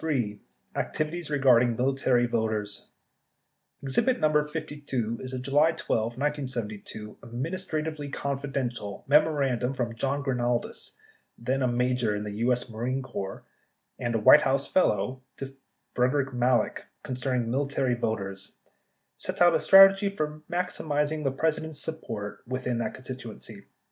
ACTIVITIES RE MILITARY VOTERS Exhibit No. 52 61 is a July 12, 1972, "Administratively Confiden tial" memorandum from John Grinalds, then a major in the U.S. Marine Corps and a White House fellow, to Frederick Malek con cerning military voters, sets out a basic strategy for maximizing the President's support within that constituency.